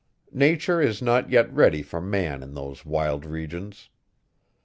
Nature is not yet ready for man in those wild regions.